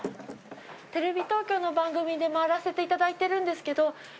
テレビ東京の番組で回らせていただいてるんですけど。